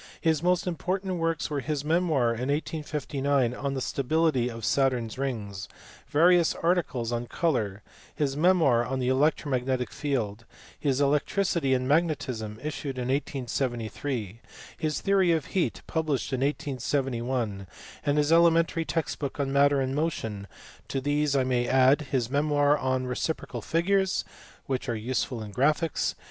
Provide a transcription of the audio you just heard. His most important works were his memoir in 1859 on the stability of Saturn s rings; various articles on colour; his memoir on the electromagnetic field; his Electricity and Magnetism, issued in 1873; his Theory of Heat, published in 1871 ; and his elementary text book on Matter and Motion : to these I may add his memoir on reciprocal figures (which are useful in graphics)